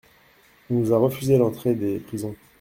On nous a refusé l'entrée des prisons.